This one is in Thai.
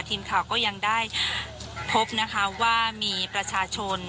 ทีมข่าวก็ยังได้พบนะคะว่ามีประชาชน